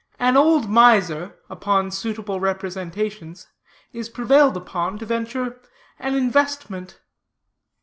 AN OLD MISER, UPON SUITABLE REPRESENTATIONS, IS PREVAILED UPON TO VENTURE AN INVESTMENT.